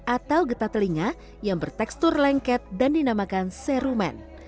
atau getah telinga yang bertekstur lengket dan dinamakan serumen